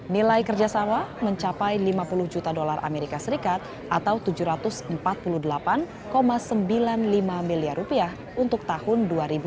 nilai kerjasama mencapai lima puluh juta dolar amerika serikat atau tujuh ratus empat puluh delapan sembilan puluh lima miliar rupiah untuk tahun dua ribu dua puluh